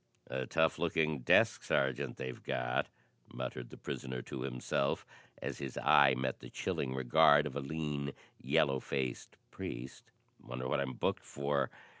"A tough looking desk sergeant they've got," muttered the prisoner to himself as his eye met the chilling regard of a lean, yellow faced priest. "Wonder what I'm booked for?"